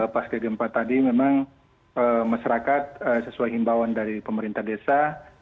pasca gempa tadi memang masyarakat sesuai himbawan dari pemerintah desa